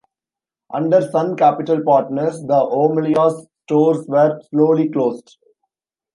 Under Sun Capital Partners, the O'Malia's stores were slowly closed.